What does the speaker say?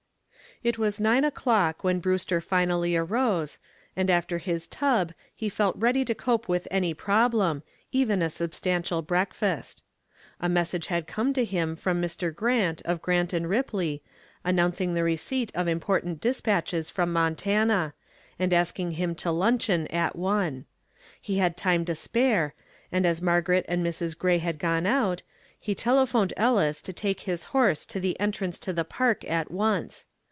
It was nine o'clock when Brewster finally rose, and after his tub he felt ready to cope with any problem, even a substantial breakfast. A message had come to him from Mr. Grant of Grant & Ripley, announcing the receipt of important dispatches from Montana, and asking him to luncheon at one. He had time to spare, and as Margaret and Mrs. Gray had gone out, he telephoned Ellis to take his horse to the entrance to the park at once.